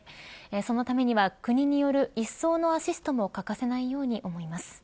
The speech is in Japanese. そのためには国による、いっそうのアシストも欠かせないように思います。